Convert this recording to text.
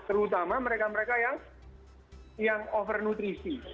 terutama mereka mereka yang overnutrisi